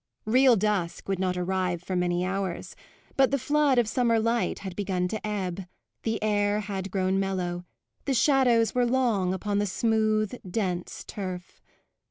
Real dusk would not arrive for many hours; but the flood of summer light had begun to ebb, the air had grown mellow, the shadows were long upon the smooth, dense turf.